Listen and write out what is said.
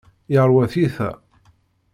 Yerwa tiyita.